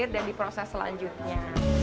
dan diproses selanjutnya